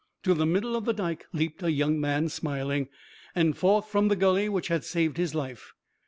To the middle of the Dike leaped a young man, smiling, and forth from the gully which had saved his life.